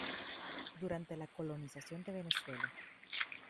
Durante la colonización de Venezuela.